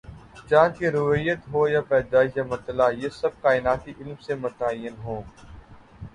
چاند کی رویت ہو یا پیدائش یا مطلع، یہ سب کائناتی علم سے متعین ہوں۔